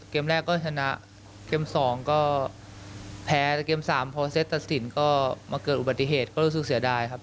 ก็มาเกิดอุบัติเหตุก็รู้สึกเสียดายครับ